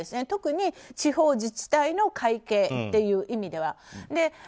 特に地方自治体の会計という意味では。